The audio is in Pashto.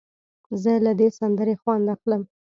زه له دې سندرې خوند اخلم.